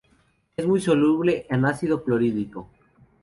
Es muy soluble an ácido clorhídrico.